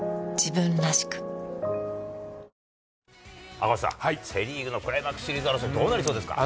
赤星さん、セ・リーグのクライマックスシリーズ争いどうなりそうですか。